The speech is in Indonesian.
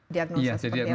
diagnosa seperti apa